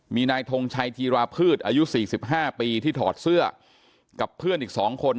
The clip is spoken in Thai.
มีนายทงชัยธีราพืชอายุ๔๕ปีที่ถอดเสื้อกับเพื่อนอีก๒คน